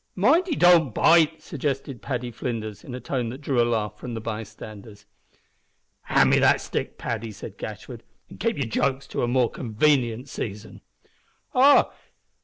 "Mind he don't bite!" suggested Paddy Flinders, in a tone that drew a laugh from the by standers. "Hand me that stick, Paddy," said Gashford, "and keep your jokes to a more convenient season." "Ah!